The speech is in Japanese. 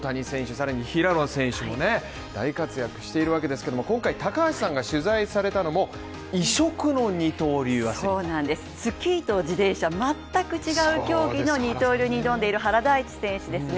さらに平野選手もね、大活躍しているわけですけども今回高橋さんが取材されたのも、異色の二刀流スキーと自転車全く違う競技の二刀流に挑んでいる原大智選手ですね。